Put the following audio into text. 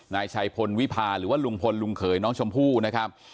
นายชัยพลวิพาหรือว่าลุงพลลุงเขยน้องชมพู่นะครับ